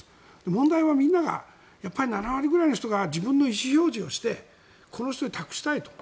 問題はみんなが７割くらいの人が自分の意思表示をしてこの人に託したいと。